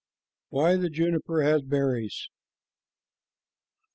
WHY THE JUNIPER HAS BERRIES.